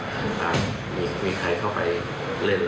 หากมีใครเข้าไปเล่น